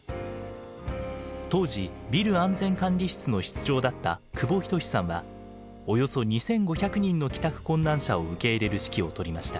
当時ビル安全管理室の室長だった久保人司さんはおよそ２，５００人の帰宅困難者を受け入れる指揮を執りました。